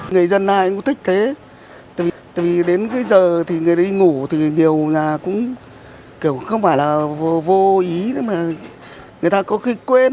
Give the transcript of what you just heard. người dân này cũng thích thế tại vì đến giờ người đi ngủ thì nhiều là cũng không phải là vô ý người ta có khi quên